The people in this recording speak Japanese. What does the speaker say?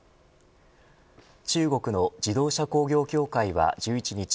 中国の自動車工業協会は１１日